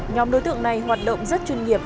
nhóm đối tượng này hoạt động rất chuyên nghiệp